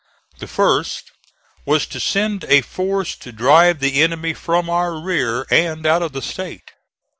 The first was to send a force to drive the enemy from our rear, and out of the State.